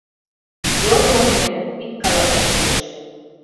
Йорлын иленыт, вик каласаш кӱлеш.